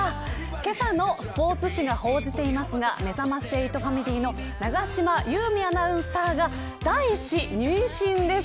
けさのスポーツ紙が報じていますがめざまし８ファミリーの永島優美アナウンサーが第１子妊娠です。